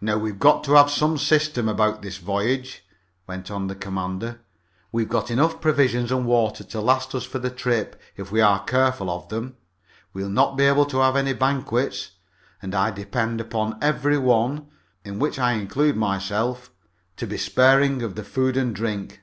"Now we've got to have some system about this voyage," went on the commander. "We've got enough provisions and water to last us for the trip if we are careful of them. We'll not be able to have any banquets, and I depend upon every one in which I include myself to be sparing of the food and drink.